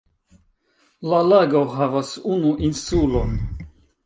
La lago havas unu insulon.